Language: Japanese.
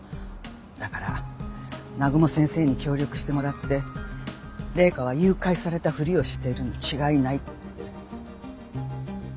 だから南雲先生に協力してもらって麗華は誘拐されたふりをしてるに違いない。